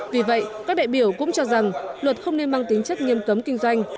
vì vậy các đại biểu cũng cho rằng luật không nên mang tính chất nghiêm cấm kinh doanh